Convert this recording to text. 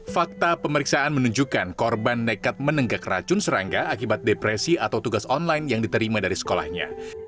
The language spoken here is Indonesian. fakta pemeriksaan menunjukkan korban nekat menenggak racun serangga akibat depresi atau tugas online yang diterima dari sekolahnya